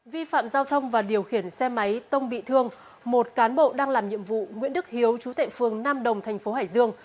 vi phạm giao thông và điều khiển xe máy tông bị thương một cán bộ đang làm nhiệm vụ nguyễn đức hiếu chú tệ phường nam đồng thành phố hải dương